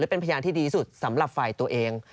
เป็นพยานที่ดีสุดสำหรับฝ่ายตัวเอง